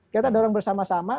kita dorong bersama sama